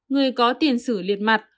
người có tiền sử liệt mặt